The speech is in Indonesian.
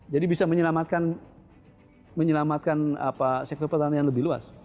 jadi bisa menyelamatkan sektor pertanian lebih luas